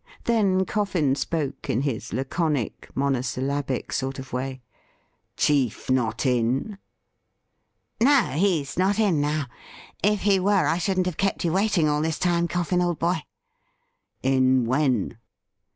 Then Coffin spoke in his laconic, monosyllabic sort of way. ' Chief not in ?'' No, he's not in now ; if he were, I shouldn't have kept you waiting all this time, Coffin, old boy.' ' In — when